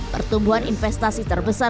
pertumbuhan investasi terbesar